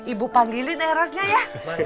ibu panggilin erosnya ya